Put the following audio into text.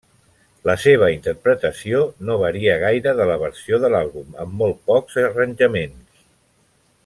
La seva interpretació no varia gaire de la versió de l'àlbum amb molt pocs arranjaments.